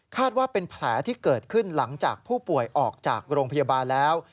ว่าเป็นแผลที่เกิดขึ้นหลังจากผู้ป่วยออกจากโรงพยาบาลแล้ว